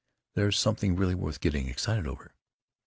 There's something really worth getting excited over.